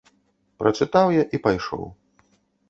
Прачытаў я і пайшоў.